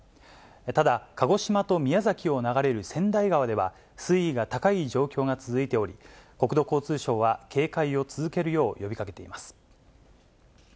ただ、鹿児島と宮崎を流れる川内川では、水位が高い状況が続いており、国土交通省は警戒を続けるよう呼びかけています。